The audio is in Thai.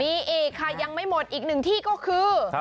มีอีกค่ะยังไม่หมดอีกหนึ่งที่ก็คือ